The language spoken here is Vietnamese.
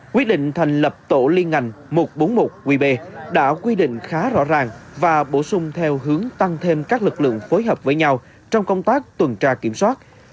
quyết định thành lập tổ liên ngành một trăm bốn mươi một qb đã quy định khá rõ ràng và bổ sung theo hướng tăng thêm các lực lượng phối hợp với nhau trong công tác tuần tra kiểm soát